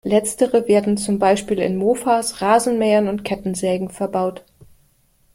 Letztere werden zum Beispiel in Mofas, Rasenmähern und Kettensägen verbaut.